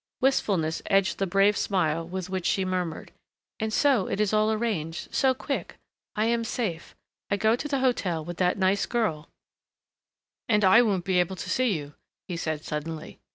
Wistfulness edged the brave smile with which she murmured, "And so it is all arranged so quick. I am safe I go to the hotel with that nice girl " "And I won't be able to see you," he said suddenly.